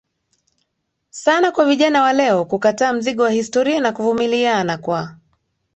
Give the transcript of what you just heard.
sana kwa vijana wa leo kukataa mzigo wa historia na kuvumiliana Kwa